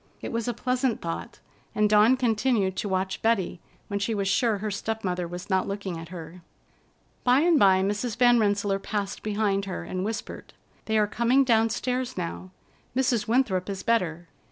It was a pleasant thought, and Dawn continued to watch Betty, when she was sure her step mother was not looking at her. By and by Mrs. Van Rensselaer passed behind her and whispered: "They are coming downstairs now. Mrs. Winthrop is better.